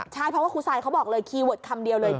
ใช่เพราะว่าครูซายเขาบอกเลยคีย์เวิร์ดคำเดียวเลย